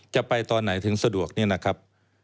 จะไปตอนไหนถึงสะดวกนี่นะครับ